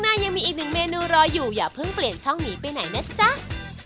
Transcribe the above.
มาฝากครับอยากรู้เป็นอะไรต้องคอยติดตามชมครับ